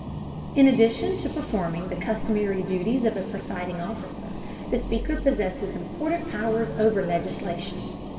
In addition to performing the customary duties of a presiding officer, the Speaker possesses important powers over legislation.